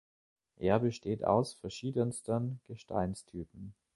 Er besteht aus verschiedensten Gesteinstypen.